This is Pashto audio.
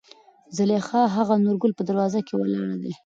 زليخا : هغه نورګل په دروازه کې ولاړ دى.